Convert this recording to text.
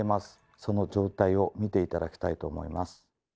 その状態を見て頂きたいと思います。